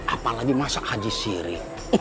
apalagi masa haji siri